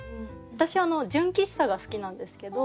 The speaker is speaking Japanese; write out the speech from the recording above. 私純喫茶が好きなんですけど